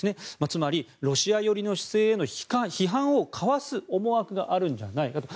つまりロシア寄りの姿勢という批判をかわす思惑があるんじゃないかと。